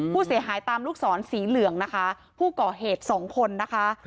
ผู้เสียหายตามลูกศรสีเหลืองนะคะผู้ก่อเหตุสองคนนะคะ